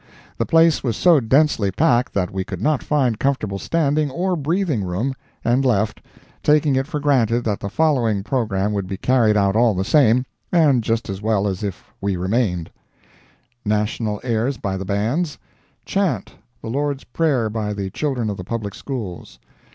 The place was so densely packed that we could not find comfortable standing or breathing room, and left, taking it for granted that the following programme would be carried out all the same, and just as well as if we remained: National Airs by the Bands. Chant, the Lord's Prayer, by the Children of the Public Schools.